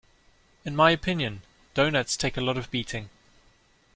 In my opinion, doughnuts take a lot of beating.